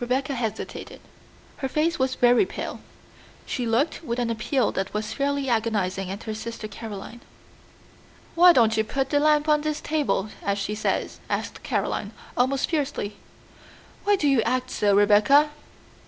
Rebecca hesitated. Her face was very pale. She looked with an appeal that was fairly agonizing at her sister Caroline. "Why don't you put the lamp on this table, as she says?" asked Caroline, almost fiercely. "Why do you act so, Rebecca?"